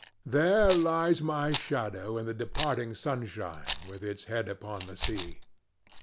There lies my shadow in the departing sunshine with its head upon the sea.